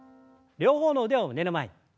両方の腕を胸の前に。